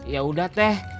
ya udah teh